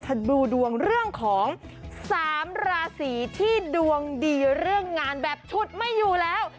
ถ้าดูดวงเรื่องของ๓ราศีที่ดวงดีเรื่องงานแบบชุดไม่อยู่แล้ว